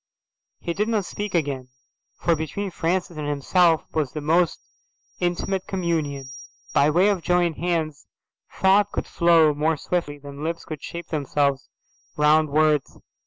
He did not speak again, for between Francis and himself was the most intimate communion. By way of joined hands thought could flow more swiftly than lips could shape themselves round words.